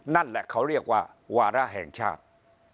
นั่นแหละเขาเรียกว่าวาระแห่งชาติ